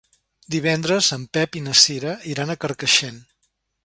Divendres en Pep i na Cira iran a Carcaixent.